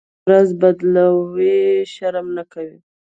شپه ورځ بدلوي، شرم نه کوي.